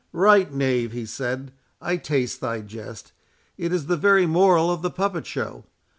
"Right, knave," he said, "I taste thy jest—It is the very moral of the puppet show.